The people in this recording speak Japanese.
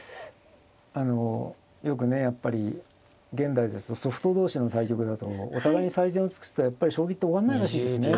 あのよくねやっぱり現代ですとソフト同士の対局だとお互いに最善を尽くすとやっぱり将棋って終わんないらしいですね。